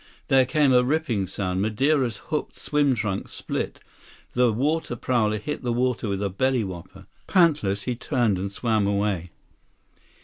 There came a ripping sound. Madeira's hooked swim trunks split. The water prowler hit the water with a belly whopper. Pantless, he turned and swam away.